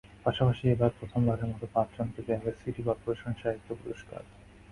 পাশাপাশি এবার প্রথমবারের মতো পাঁচজনকে দেওয়া হবে সিটি করপোরেশন সাহিত্য পুরস্কার।